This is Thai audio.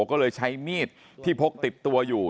ก็เลยใช้มีดที่พกติดตัวอยู่